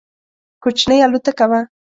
کوچنۍ الوتکه وه.